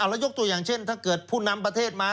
แล้วยกตัวอย่างเช่นถ้าเกิดผู้นำประเทศมา